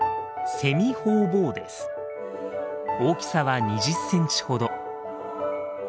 大きさは２０センチほど。